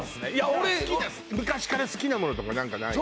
俺好きな昔から好きなものとか何かないの？